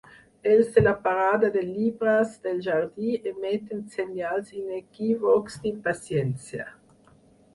Els de la parada de llibres del jardí emeten senyals inequívocs d'impaciència.